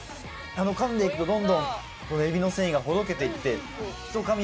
かんでいくとどんどんエビの繊維がほどけていってひとかみ